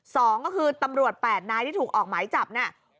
สองก็คือตำรวจแปดนายที่ถูกออกหมายจับเนี่ย